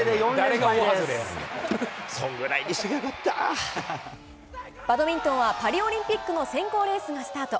そのぐらいにしとけばよかっバドミントンはパリオリンピックの選考レースがスタート。